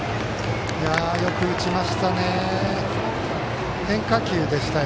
よく打ちましたね。